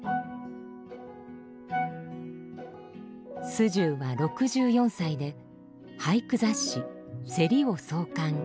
素十は６４歳で俳句雑誌「芹」を創刊・主宰。